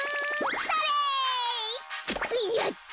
やった。